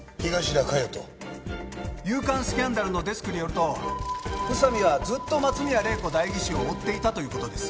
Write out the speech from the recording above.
『夕刊スキャンダル』のデスクによると宇佐美はずっと松宮玲子代議士を追っていたという事です。